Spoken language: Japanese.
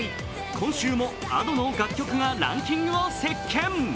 今週もＡｄｏの楽曲がランキングを席けん。